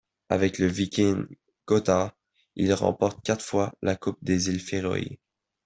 Avec le Víkingur Gøta, il remporte quatre fois la coupe des îles Féroé.